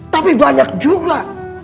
tapi banyak juga